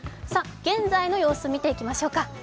現在の様子、見ていきましょうか。